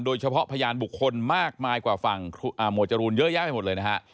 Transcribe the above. พยานบุคคลมากมายกว่าฝั่งหมวดจรูนเยอะแยะไปหมดเลยนะฮะ